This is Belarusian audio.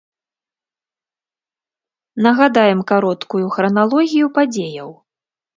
Нагадаем кароткую храналогію падзеяў.